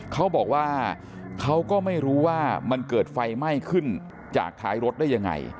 เขาบอกว่าเขาก็ไม่รู้ว่ามันเกิดไฟไหม้ขึ้นจากท้ายรถได้ยังไง